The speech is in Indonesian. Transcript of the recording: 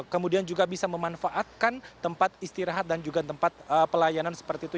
kemudian juga bisa memanfaatkan tempat istirahat dan juga tempat pelayanan seperti itu